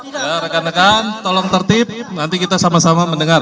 ya rekan rekan tolong tertib nanti kita sama sama mendengar